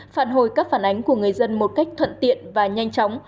phản hồi các phản ánh của người dân một cách thuận tiện và nhanh chóng